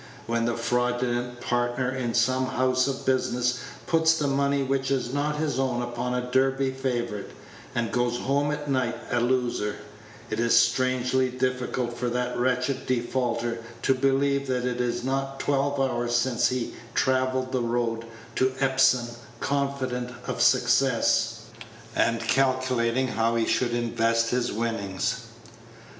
When the fraudulent partner in some house of business puts the money which is not his own upon a Derby favorite, and goes home at night a loser, it is strangely difficult for that wretched defaulter to believe that it is not twelve hours since he travelled the road to Epsom confident of success, and calculating how he should invest his winnings.